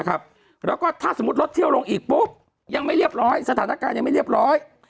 แล้วก็ถ้าสมมุติรถเที่ยวลงอีกปุ๊บยังไม่เรียบร้อยสถานการณ์ยังไม่เรียบร้อย